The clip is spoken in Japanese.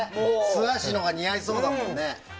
素足のほうが似合いそうだもんね。